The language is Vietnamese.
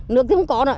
nước thì không có nữa